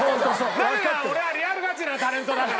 なぜなら俺はリアルガチなタレントだから。